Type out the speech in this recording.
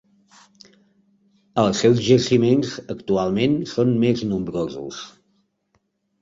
Els seus jaciments, actualment, són més nombrosos.